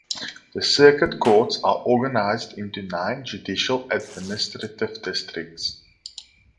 The circuit courts are organized into nine judicial administrative districts.